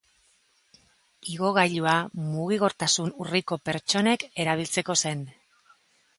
Igogailua mugikortasun urriko pertsonek erabiltzeko zen.